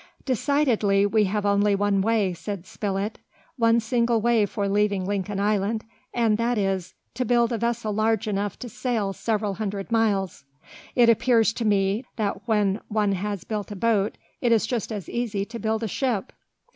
"Decidedly we have only one way," said Spilett, "one single way for leaving Lincoln Island, and that is, to build a vessel large enough to sail several hundred miles. It appears to me, that when one has built a boat it is just as easy to build a ship!"